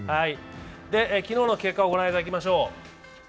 昨日の結果をご覧いただきましょう。